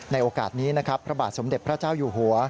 โอกาสนี้นะครับพระบาทสมเด็จพระเจ้าอยู่หัว